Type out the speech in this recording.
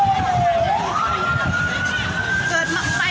ถ้าไม่ได้ยินภาพมีที่สุดอย่ากล้างไปแรกไหม้กว่านี้